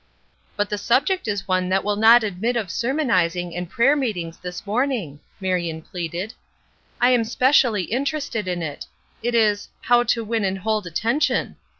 "But the subject is one that will not admit of sermonizing and prayer meetings this morning," Marion pleaded; "I am specially interested in it. It is 'How to win and hold attention.'